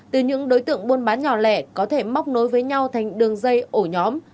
từ những đối tượng buôn bán nhỏ lẻ có thể móc nối với nhau thành đường dây ổ nhóm